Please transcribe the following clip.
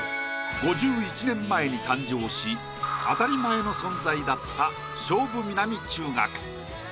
５１年前に誕生し当たり前の存在だった菖蒲南中学。